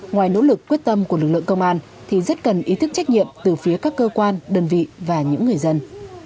ngoài nỗ lực quyết tâm của lực lượng công an thì rất cần ý thức trách nhiệm từ phía các cơ quan đơn vị và những người dân